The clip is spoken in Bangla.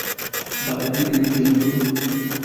বা এই পৃথিবীর জন্য?